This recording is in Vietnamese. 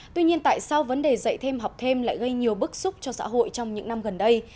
tuy nhiên tại sao vấn đề dạy thêm học thêm lại gây nhiều bức xúc cho xã hội trong những năm gần đây